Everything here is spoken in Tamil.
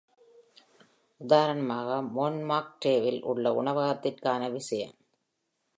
உதாரணமாக, மோன்ட்மார்ட்ரேவில் உள்ள உணவகத்திற்கான விஜயம்.